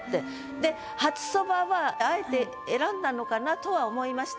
で「初蕎麦」はあえて選んだのかなとは思いました。